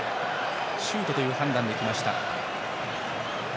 シュートという判断できました。